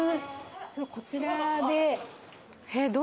こちらで。